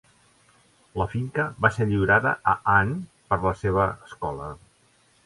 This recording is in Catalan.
La finca va ser lliurada a Hahn per a la seva escola.